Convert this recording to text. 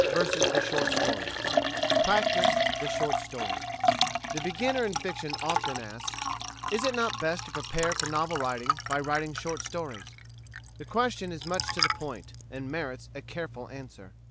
_ THE SHORT STORY Practise the Short Story The beginner in fiction often asks: Is it not best to prepare for novel writing by writing short stories? The question is much to the point, and merits a careful answer.